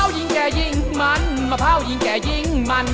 ยิ่งแก่ยิ่งมันมะพร้าวยิ่งแก่ยิ่งมัน